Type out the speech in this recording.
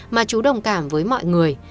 mà chú đồng cảm với mọi người